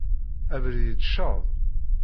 Abrid itecceḍ.